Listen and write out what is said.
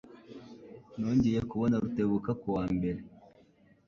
Nongeye kubona Rutebuka ku wa mbere.